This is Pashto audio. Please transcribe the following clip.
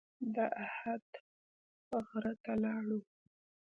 د احد غره ته لاړو.